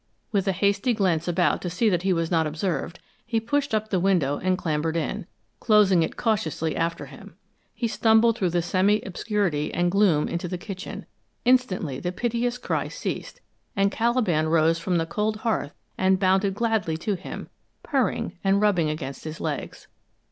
With a hasty glance about to see that he was not observed, he pushed up the window and clambered in, closing it cautiously after him. He stumbled through the semi obscurity and gloom into the kitchen; instantly the piteous cry ceased and Caliban rose from the cold hearth and bounded gladly to him, purring and rubbing against his legs.